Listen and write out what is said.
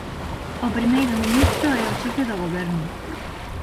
O primeiro ministro é o xefe do goberno.